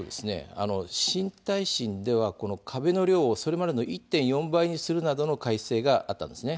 新耐震では壁の量をそれまでの１．４倍にするなどの改正があったんです。